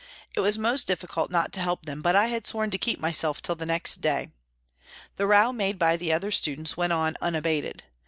It was most difficult not to help them, but I had sworn to keep myself till the next day. The row made by the other students went on unabated.